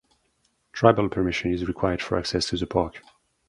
Tribal permission is required for access to the park.